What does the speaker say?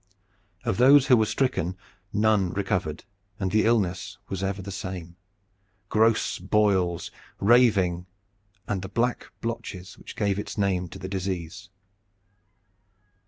Of those who were stricken none recovered, and the illness was ever the same gross boils, raving, and the black blotches which gave its name to the disease.